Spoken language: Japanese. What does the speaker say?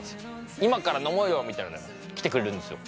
「今から飲もうよう」みたいなので来てくれるんですよ。